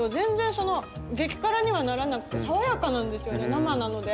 生なので。